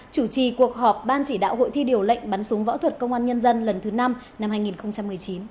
chủ trì cuộc họp ban chỉ đạo hội thi điều lệnh bắn súng võ thuật công an nhân dân lần thứ năm năm hai nghìn một mươi chín